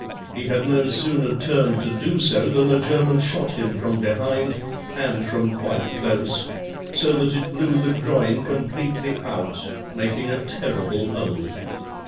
He had no sooner turned to do so than a German shot him from behind and from quite close, so that it blew the groin completely out, making a terrible hole.